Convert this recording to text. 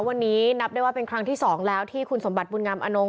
วันนี้นับได้ว่าเป็นครั้งที่๒แล้วที่คุณสมบัติบุญงามอนง